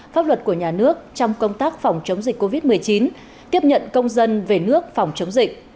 pháp luật của nhà nước trong công tác phòng chống dịch covid một mươi chín tiếp nhận công dân về nước phòng chống dịch